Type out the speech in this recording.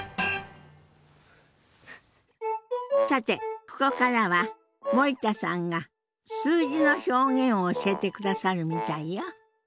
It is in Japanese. さてここからは森田さんが数字の表現を教えてくださるみたいよ。